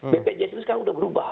bpjs itu sekarang sudah berubah